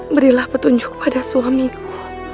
berilah petunjuk pada suamiku